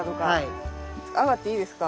上がっていいですか？